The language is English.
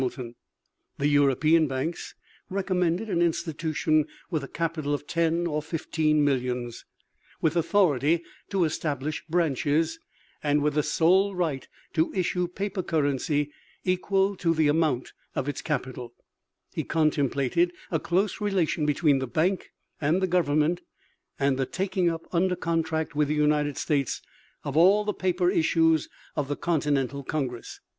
The younger man, looking to the future needs of the country and to the example of European banks, recommended an institution with a capital of ten or fifteen millions, with authority to establish branches, and with the sole right to issue paper currency equal to the amount of its capital. He contemplated a close relation between the bank and the government, and the taking up, under contract with the United States, of all the paper issues of the Continental Congress.